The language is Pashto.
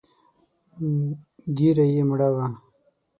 ږيره يې مړه وه.